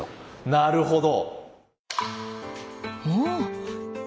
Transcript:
なるほど。